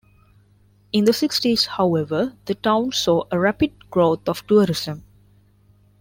In the sixties, however the town saw a rapid growth of tourism.